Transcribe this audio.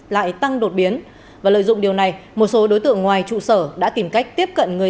lại tăng đột biến và lợi dụng điều này một số đối tượng ngoài trụ sở đã tìm cách tiếp cận người